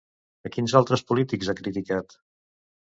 A quins altres polítics ha criticat?